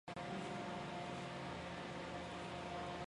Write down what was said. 有两个人在推销产品